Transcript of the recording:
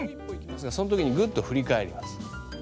その時にぐっとふりかえります。